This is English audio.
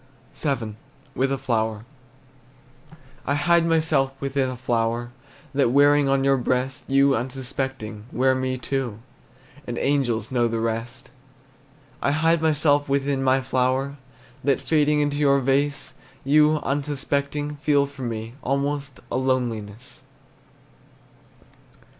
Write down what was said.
VII. WITH A FLOWER. I hide myself within my flower, That wearing on your breast, You, unsuspecting, wear me too And angels know the rest. I hide myself within my flower, That, fading from your vase, You, unsuspecting, feel for me Almost a loneliness.